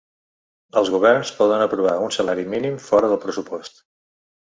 Els governs poden aprovar un salari mínim fora del pressupost.